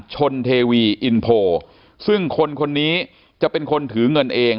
เทวีอินโพซึ่งคนคนนี้จะเป็นคนถือเงินเอง